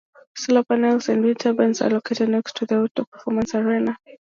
Solar panels and wind turbines are located next to the outdoor performance arena.